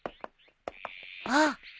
あっ。